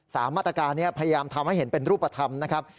มาตรการนี้พยายามทำให้เห็นเป็นรูปธรรมนะครับ